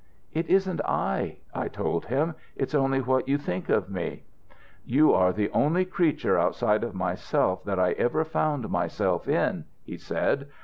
"'It isn't I,' I told him. 'It's only what you think me.' "'You are the only creature outside of myself that I ever found myself in,' he said.